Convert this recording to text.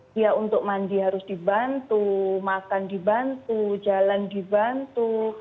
dia untuk mandi harus dibantu makan dibantu jalan dibantu